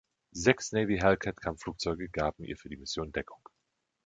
Sechs Navy Hellcat-Kampfflugzeuge gaben ihr für die Mission Deckung.